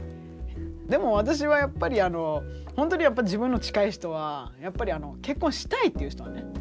でも私はやっぱりあのほんとにやっぱ自分の近い人はやっぱりあの結婚したいっていう人はね。